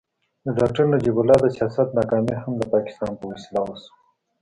د ډاکټر نجیب الله د سیاست ناکامي هم د پاکستان په وسیله وشوه.